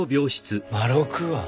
まろく庵？